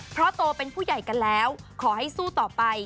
เพราะโตเป็นผู้ใหญ่กันแล้วขอให้สู้ต่อไป